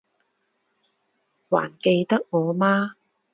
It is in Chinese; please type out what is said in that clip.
还记得我吗？